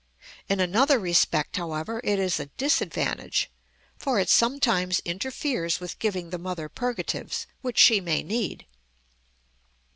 In another respect, however, it is a disadvantage, for it sometimes interferes with giving the mother purgatives, which she may need.